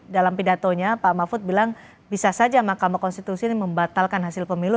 dalam pidatonya pak mahfud bilang bisa saja mahkamah konstitusi ini membatalkan hasil pemilu